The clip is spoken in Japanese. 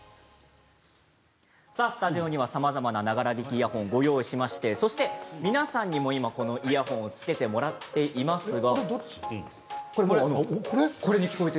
スタジオにはさまざまなながら聴きイヤホンを用意しまして、皆さんにも今このイヤホンをつけてもらっていますが。